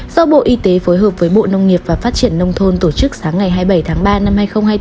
do bộ y tế phối hợp với bộ nông nghiệp và phát triển nông thôn tổ chức sáng ngày hai mươi bảy tháng ba năm hai nghìn hai mươi bốn